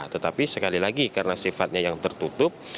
tetapi sekali lagi karena sifatnya yang tertutup